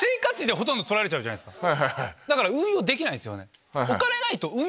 だから運用できないんすよ。